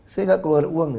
saya nggak keluar uang ya